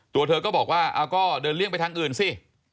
ตัวเธอก็บอกว่าก็เดินเลี่ยงไปทางอื่นสิ